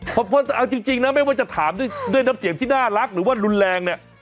เพราะเอาจริงนะไม่ว่าจะถามด้วยน้ำเสียงที่น่ารักหรือว่ารุนแรงเนี่ย